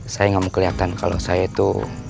saya nggak mau kelihatan kalau saya itu